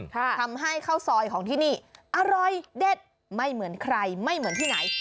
ทำให้ข้าวซอยของที่นี่อร่อยเด็ดไม่เหมือนใครไม่เหมือนที่ไหน